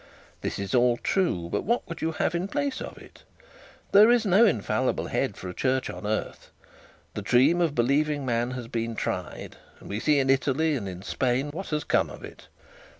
This is all true. But what would you have in place of it? There is no infallible head for a church on earth. This dream of believing man has been tried, and we see in Italy and in Spain what has become of it.